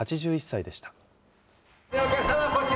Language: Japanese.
８１歳でした。